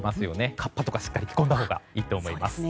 かっぱとか、しっかり着込んだほうがいいと思います。